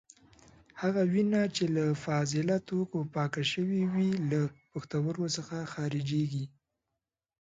هغه وینه چې له فاضله توکو پاکه شوې وي له پښتورګو څخه خارجېږي.